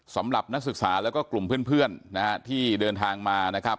สำหรับนักศึกษาแล้วก็กลุ่มเพื่อนนะฮะที่เดินทางมานะครับ